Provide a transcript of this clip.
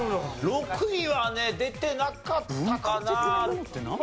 ６位はね出てなかったかな。